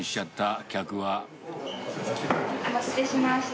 お待たせしました。